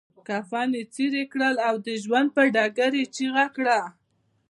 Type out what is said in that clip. کفن يې څيري کړ او د ژوند پر ډګر يې چيغه کړه.